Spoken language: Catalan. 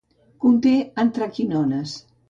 Conté antraquinones.